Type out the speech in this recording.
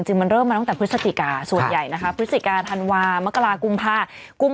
มันเริ่มมาตั้งแต่พฤศจิกาส่วนใหญ่นะคะพฤศจิกาธันวามกรากุมภา